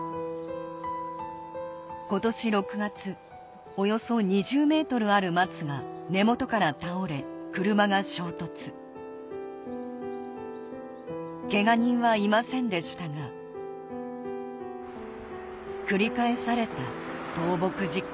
今年６月およそ２０ｍある松が根元から倒れ車が衝突けが人はいませんでしたが繰り返された倒木事故